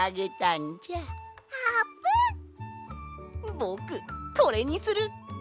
ぼくこれにする！